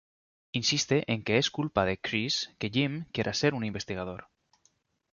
Insiste en que es culpa de Chris que Jim quiera ser un investigador.